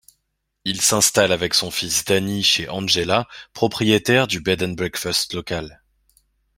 Il s'installe avec son fils Danny chez Angela, propriétaire du Bed & Breakfast local.